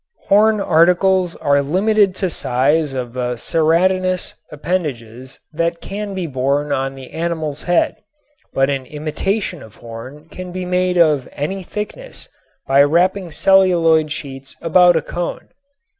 Horn articles are limited to size of the ceratinous appendages that can be borne on the animal's head, but an imitation of horn can be made of any thickness by wrapping celluloid sheets about a cone.